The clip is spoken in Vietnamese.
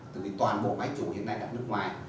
từ toàn bộ máy chủ hiện nay đặt nước ngoài